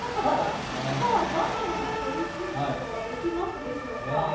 画面を取りきることはできますでしょうか。